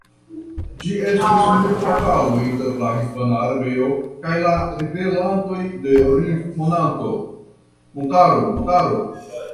Ĝi estis milita batalo inter la hispana armeo kaj la ribelantoj de Rif-montaro.